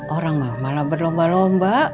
orang mah malah berlomba lomba